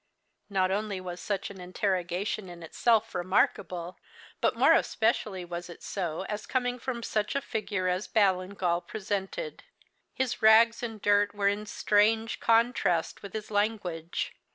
Not only was such an interrogation in itself remarkable, but more especially was it so as coming from such a figure as Ballingall presented. His rags and dirt were in strange contrast with his language.